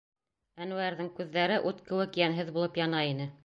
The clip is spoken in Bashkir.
Әнүәрҙең күҙҙәре ут кеүек йәнһеҙ булып яна ине.